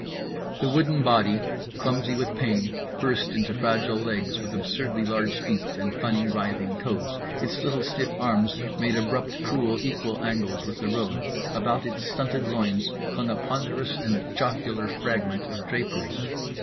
—The wooden body, clumsy with pain, burst into fragile legs with absurdly large feet and funny writhing toes; its little stiff arms made abrupt cruel equal angles with the road. About its stunted loins clung a ponderous and jocular fragment of drapery.